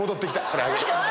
これあげる。